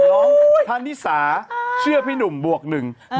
น้องท่านที่สาเชื่อพี่หนุ่มบวกหนึ่ง